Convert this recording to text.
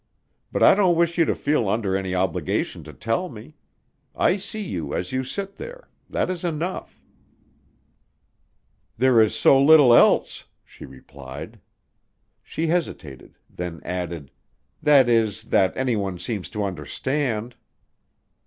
"But I don't wish you to feel under any obligation to tell me. I see you as you sit there, that is enough." "There is so little else," she replied. She hesitated, then added, "That is, that anyone seems to understand."